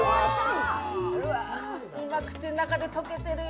今、口の中で溶けてるよ。